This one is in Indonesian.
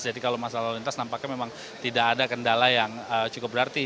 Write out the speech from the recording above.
jadi kalau masalah lalu lintas nampaknya memang tidak ada kendala yang cukup berarti